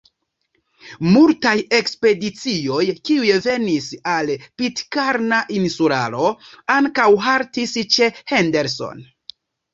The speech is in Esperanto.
Multaj ekspedicioj, kiuj venis al Pitkarna Insularo, ankaŭ haltis ĉe Henderson.